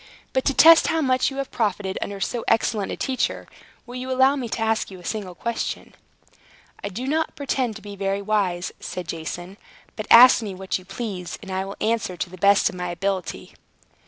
But to test how much you have profited under so excellent a teacher, will you allow me to ask you a single question?" "I do not pretend to be very wise," said Jason. "But ask me what you please, and I will answer to the best of my ability."